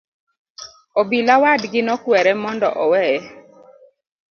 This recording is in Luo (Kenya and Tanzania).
Obila wadgi nokwere mondo oweye.